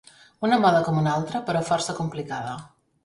Una moda com una altra, però força complicada.